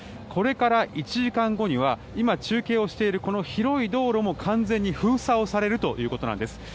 これから１時間後には今、中継をしているこの広い道路も完全に封鎖をされるということなんです。